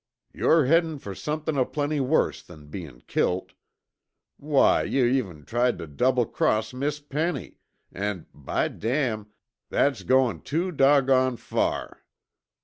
Yore headin' fer somethin' aplenty worse than bein' kilt. Why, yuh even tried tuh double cross Miss Penny, an', by damn, that's goin' too doggoned far.